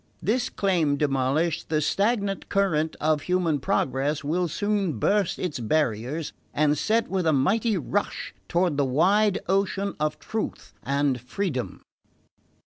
This claim demolished, the stagnant current of human progress will soon burst its barriers and set with a mighty rush toward the wide ocean of truth and freedom..."